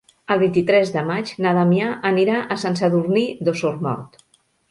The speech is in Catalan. El vint-i-tres de maig na Damià anirà a Sant Sadurní d'Osormort.